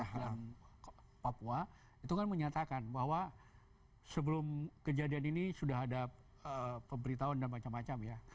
nah papua itu kan menyatakan bahwa sebelum kejadian ini sudah ada pemberitahuan dan macam macam ya